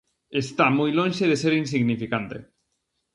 Está moi lonxe de ser insignificante.